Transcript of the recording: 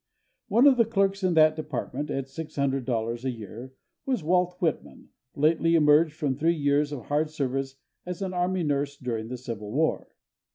One of the clerks in that department, at $600 a year, was Walt Whitman, lately emerged from three years of hard service as an army nurse during the Civil War.